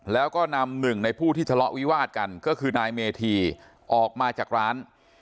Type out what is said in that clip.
แล้วก็นำหนึ่งในผู้ที่ทะเลาะวิวาดกันก็คือนายเมธีออกมาจากร้าน